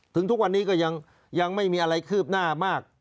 ทุกวันนี้ก็ยังไม่มีอะไรคืบหน้ามาก